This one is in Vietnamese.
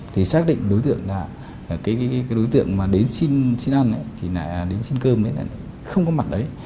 thì xác định đối tượng là cái đối tượng mà đến xin ăn ấy thì là đến xin cơm ấy là không có mặt đấy